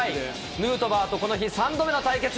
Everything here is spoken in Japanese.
ヌートバーとこの日３度目の対決。